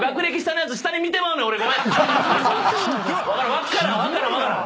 分からん分からん分からん。